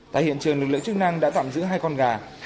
tại hiện trường lực lượng chức năng đã tạm giữ hai con gà